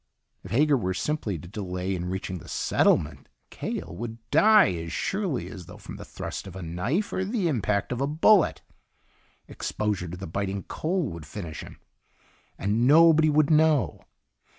If Hager were simply to delay in reaching the settlement, Cahill would die as surely as though from the thrust of a knife or the impact of a bullet. Exposure to the biting cold would finish him. And nobody would know.